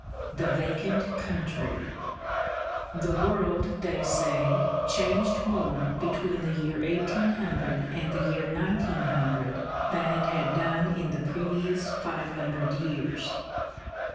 II THE VACANT COUNTRY The world, they say, changed more between the year 1800 and the year 1900 than it had done in the previous five hundred years.